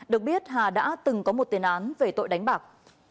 được biết hà đã từng có một tiền án về tội đánh bạc